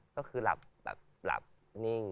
ก็คือหลับแบบหลับนิ่ง